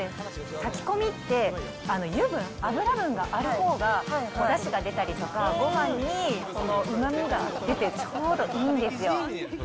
炊き込みって、油分、あぶら分があるほうがおだしが出たりとか、ごはんにうまみが出てちょうどいいんですよ。